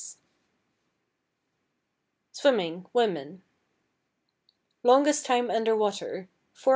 =Swimming (Women)=: Longest time under water, 4 m.